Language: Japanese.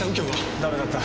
ダメだった。